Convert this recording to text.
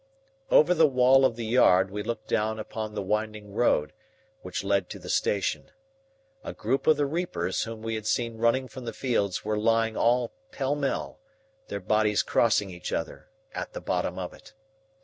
Over the wall of the yard we looked down upon the winding road, which led to the station. A group of the reapers whom we had seen running from the fields were lying all pell mell, their bodies crossing each other, at the bottom of it.